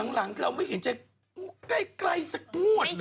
หลังเราไม่เห็นจะได้ใกล้สักงวดเลย